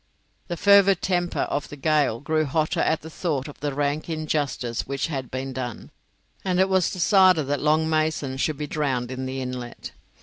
The fervid temper of the Gael grew hotter at the thought of the rank injustice which had been done, and it was decided that Long Mason should be drowned in the inlet.